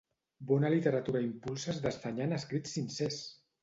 Bona literatura impulses desdenyant escrits sincers!